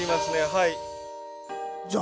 はい。